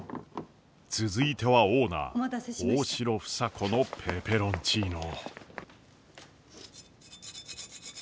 続いてはオーナー大城房子のペペロンチーノ。